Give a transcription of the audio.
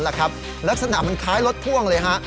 ลักษณะมันคล้ายรถพ่วงเลยฮะ